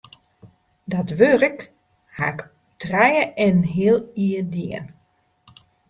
Dat wurk haw ik trije en in heal jier dien.